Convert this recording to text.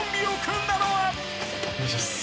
お願いします。